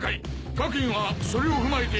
各員はそれを踏まえて。